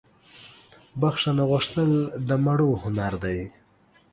بخښنه غوښتل دمړو هنردي